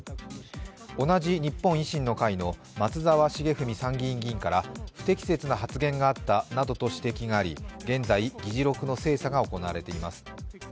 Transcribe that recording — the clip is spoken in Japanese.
同じ日本維新の会の松沢成文参議院議員から不適切な発言があったなどと指摘があり、現在、議事録の精査が行われています。